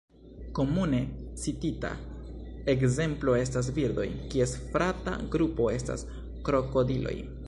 Komune citita ekzemplo estas birdoj, kies frata grupo estas krokodiloj.